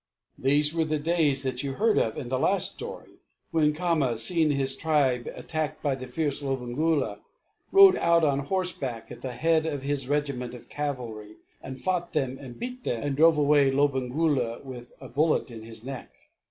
These were the days that you heard of in the last story, when Khama, seeing his tribe attacked by the fierce Lobengula, rode out on horseback at the head of his regiment of cavalry and fought them and beat them, and drove away Lobengula with a bullet in his neck.